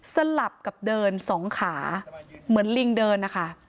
สลับกับเดินสองขาเหมือนลิงเดินนะคะ